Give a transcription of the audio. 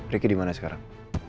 rigi dimana sekarang